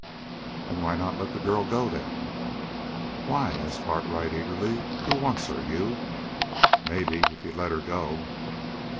"And why not let the girl go, then?" "Why?" asked Cartwright eagerly. "Who wants her? You?" "Maybe, if you'd let her go."